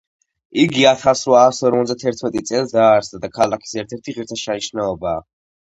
იგი ათასრვაასორმოცდათერტმეტი წელს დაარსდა და ქალაქის ერთერთი ღირსშესანიშნაობაა